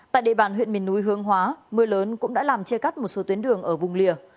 tại địa bàn huyện miền núi hương hóa mưa lớn cũng đã làm chê cắt một số tuyến đường ở vùng lìa